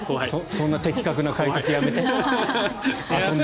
そんな的確な解説、やめて。